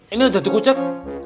ini udah dikucek